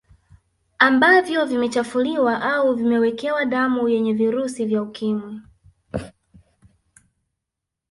Ambavyo vimechafuliwa au vimewekewa damu yenye virusi vya Ukimwi